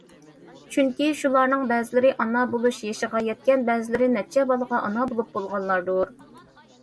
چۈنكى، شۇلارنىڭ بەزىلىرى ئانا بولۇش يېشىغا يەتكەن، بەزىلىرى نەچچە بالىغا ئانا بولۇپ بولغانلاردۇر.